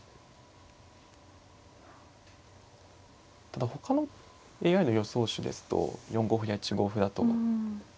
ただほかのＡＩの予想手ですと４五歩や１五歩と。